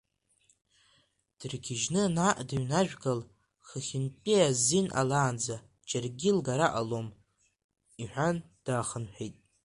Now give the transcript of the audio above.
Дыргьежьны наҟ дыҩнажәгал, хыхьынтәи азин ҟалаанӡа џьаргьы лгара ҟалом, — иҳәан, даахынҳәит.